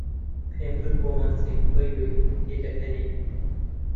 پێم کوت بۆ ماچێک وەی وەی پێم پێ دەکەنێ